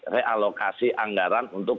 realokasi anggaran untuk